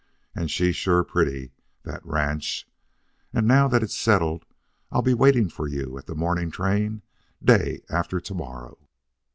And she's sure pretty, that ranch. And now that it's settled, I'll be waiting for you at the morning train day after to morrow."